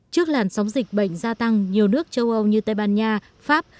trước làn sóng dịch bệnh gia tăng nhiều nước châu âu như tây ban nha pháp